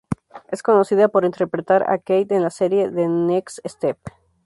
Es conocida por interpretar a Kate en la serie The Next Step.